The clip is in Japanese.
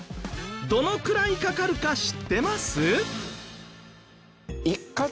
どのくらいかかるか知ってます？